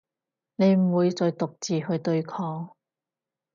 你唔會再獨自去對抗